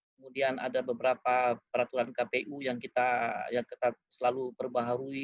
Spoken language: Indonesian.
kemudian ada beberapa peraturan kpu yang kita selalu perbaharui